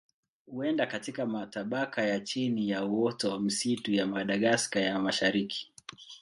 Huenda katika matabaka ya chini ya uoto wa misitu ya Madagaska ya Mashariki.